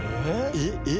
えっ？